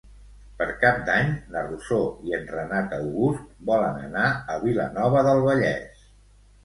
Per Cap d'Any na Rosó i en Renat August volen anar a Vilanova del Vallès.